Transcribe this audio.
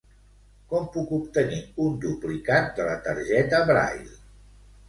Com puc obtenir un duplicat de la targeta Braille?